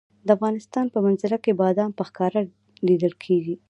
د افغانستان په منظره کې بادام په ښکاره لیدل کېږي.